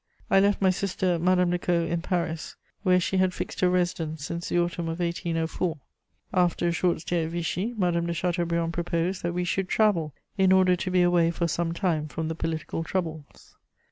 I left my sister, Madame de Caud, in Paris, where she had fixed her residence since the autumn of 1804. After a short stay at Vichy, Madame de Chateaubriand proposed that we should travel, in order to be away for some time from the political troubles.